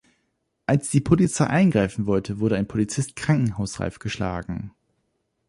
Als die Polizei eingreifen wollte, wurde ein Polizist krankenhausreif geschlagen.